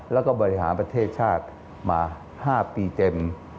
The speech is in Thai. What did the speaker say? แล้วก็บริหารประเทศชาติมา๕ปีเต็ม